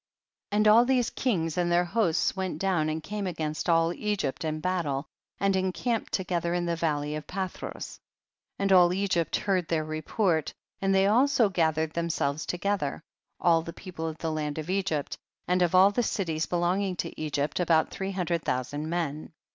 18. And all these kings and their hosts went down and came against all Egypt in battle, and encamped to gether in the valley of Palhros. 19. And all Egypt heard their re port, and they also gatheretl liiem selves together, all the people of the land of Egypt, and of all the cities belonging to Egypt, about three hun dred thousand men.